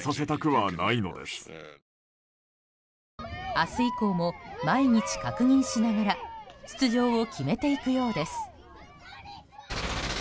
明日以降も毎日確認しながら出場を決めていくようです。